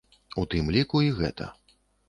У тым ліку, і гэта.